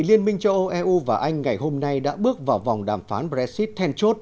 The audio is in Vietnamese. liên minh châu âu eu và anh ngày hôm nay đã bước vào vòng đàm phán brexit then chốt